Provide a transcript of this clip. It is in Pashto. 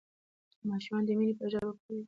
ماشومان د مینې په ژبه پوهیږي.